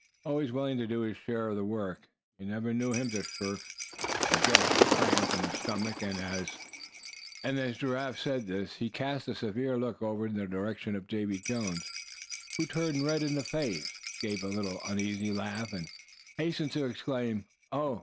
"Always willing to do his share of the work. You never knew him to shirk, or get a cramp in the stomach," and as Giraffe said this he cast a severe look over in the direction of Davy Jones, who turned red in the face, gave a little uneasy laugh, and hastened to exclaim: "Oh!